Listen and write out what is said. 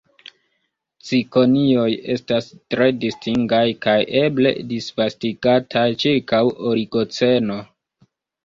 Cikonioj estas tre distingaj kaj eble disvastigataj ĉirkaŭ Oligoceno.